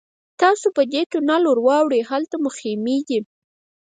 تاسو په دې تونل ورواوړئ هلته مو خیمې دي.